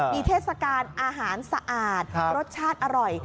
มีเทศกาลอาหารสะอาดรสชาติอร่อย